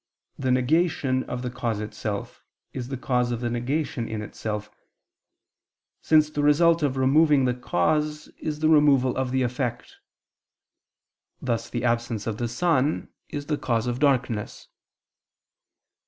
the negation of the cause itself, is the cause of the negation in itself; since the result of removing the cause is the removal of the effect: thus the absence of the sun is the cause of darkness.